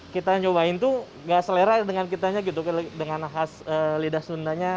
kita nyobain tuh gak selera dengan kitanya gitu dengan khas lidah sundanya